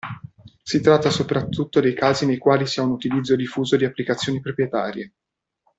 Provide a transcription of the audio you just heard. Si tratta soprattutto dei casi nei quali si ha un utilizzo diffuso di applicazioni proprietarie.